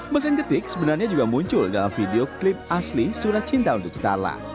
mesin ketik sebenarnya juga muncul dalam video klip asli surat cinta untuk starla